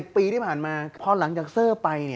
ปีที่ผ่านมาพอหลังจากเซอร์ไป